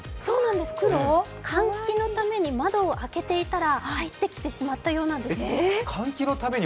換気のために窓を開けていたら入ってきてしまったようなんです。